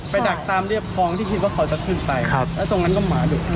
ดักตามเรียบคลองที่คิดว่าเขาจะขึ้นไปครับแล้วตรงนั้นก็หมาดุ